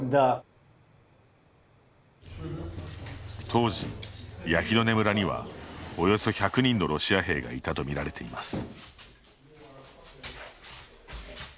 当時、ヤヒドネ村にはおよそ１００人のロシア兵がいたと見られています。